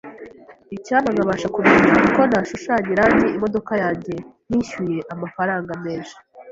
Icyampa nkabasha kumenya uko nashushanya irangi imodoka yanjye ntishyuye amafaranga menshi.